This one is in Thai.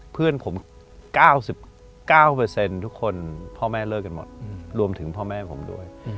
เพื่อนผม๙๙ทุกคนพ่อแม่เลิกกันหมดรวมถึงพ่อแม่ผมด้วย